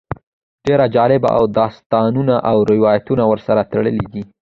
ډېر جالب داستانونه او روایتونه ورسره تړلي دي.